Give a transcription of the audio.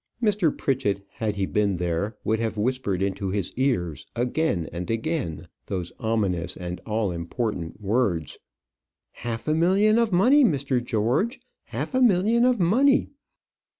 Mr. Pritchett, had he been there, would have whispered into his ears, again and again, those ominous and all important words, "Half a million of money, Mr. George; half a million of money!"